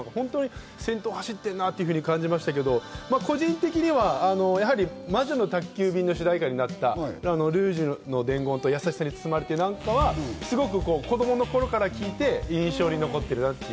先頭を走っているなと感じましたけど、個人的には『魔女の宅急便』の主題歌になった『ルージュの伝言』と『やさしさに包まれたなら』がすごく子供の頃から聴いて、印象に残っているなと。